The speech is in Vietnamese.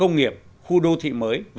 cụm công nghiệp khu đô thị mới v v